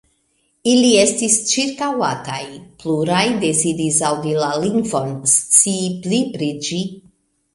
Ili estis ĉirkaŭataj, pluraj deziris aŭdi la lingvon, scii pli pri ĝi.